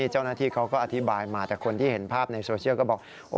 เจ้าหน้าที่เขาก็อธิบายมาแต่คนที่เห็นภาพในโซเชียลก็บอก